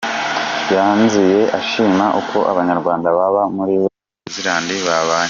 Yanzuye ashima uko Abanyarwanda baba muri new Zealand babanye.